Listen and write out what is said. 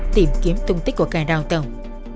tìm kiếm thông tích của cài đào tổng